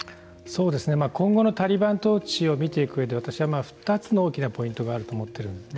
今後のタリバン統治を見ていく上で私は２つの大きなポイントがあると思っているんですね。